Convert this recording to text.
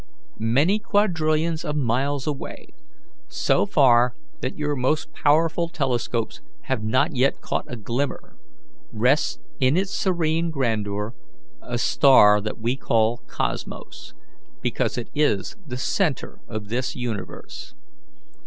Many quadrillions of miles away, so far that your most powerful telescopes have not yet caught a glimmer, rests in its serene grandeur a star that we call Cosmos, because it is the centre of this universe.